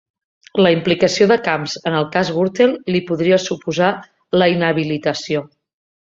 La implicació de Camps en el cas Gürtel li podria suposar la inhabilitació